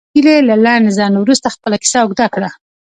هیلې له لنډ ځنډ وروسته خپله کیسه اوږده کړه